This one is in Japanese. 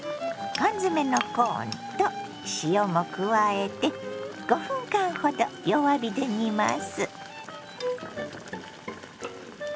缶詰のコーンと塩も加えて５分間ほど弱火で煮ます。